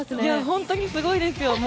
本当にすごいですよ。